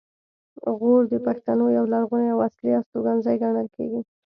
غور د پښتنو یو لرغونی او اصلي استوګنځی ګڼل کیږي